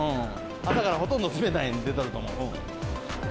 朝からほとんど冷たいの出てると思う。